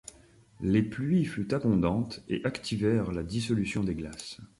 Les pluies furent abondantes et activèrent la dissolution des glaces.